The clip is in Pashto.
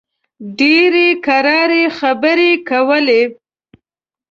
ډېرې کراري خبرې کولې.